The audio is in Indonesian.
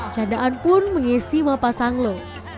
percandaan pun mengisi wapah sang lo